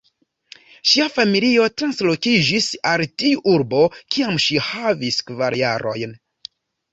Ŝia familio translokiĝis al tiu urbo kiam ŝi havis kvar jarojn.